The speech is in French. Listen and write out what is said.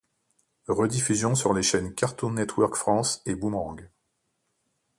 Rediffusion sur les chaînes Cartoon Network France et Boomerang.